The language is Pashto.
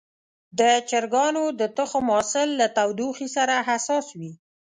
د چرګانو د تخم حاصل له تودوخې سره حساس وي.